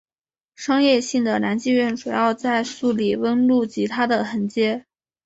商业性的男妓院主要在素里翁路及它的横街。